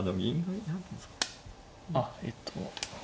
あえっと。